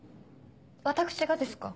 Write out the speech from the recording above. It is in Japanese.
私がですか？